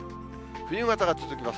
冬型が続きます。